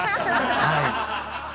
はい。